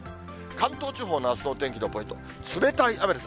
関東地方のあすのお天気のポイント、冷たい雨です。